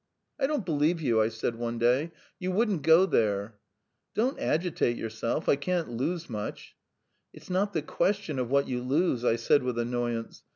"I don't believe you," I said one day. "You wouldn't go there." "Don't agitate yourself. I can't lose much." "It's not the question of what you lose," I said with annoyance.